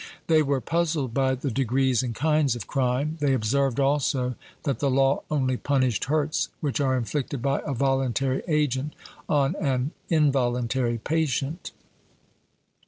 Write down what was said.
They were puzzled by the degrees and kinds of crime; they observed also that the law only punished hurts which are inflicted by a voluntary agent on an involuntary patient.